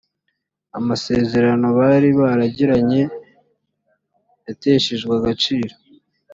amasezerano bari baragiranye yateshejwe agaciro